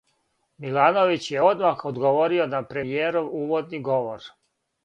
Милановић је одмах одговорио на премијеров уводни говор.